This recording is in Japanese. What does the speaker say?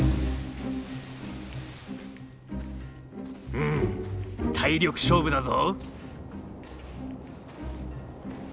うん体力勝負だぞ。